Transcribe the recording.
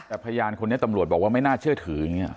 แต่พยานคนนี้ตำรวจบอกว่าไม่น่าเชื่อถืออย่างนี้